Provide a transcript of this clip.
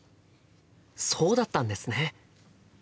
そうだったんですね。